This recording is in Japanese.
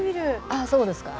ああそうですか。